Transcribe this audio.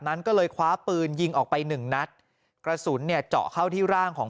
นั้นก็เลยคว้าปืนยิงออกไปหนึ่งนัดกระสุนเนี่ยเจาะเข้าที่ร่างของ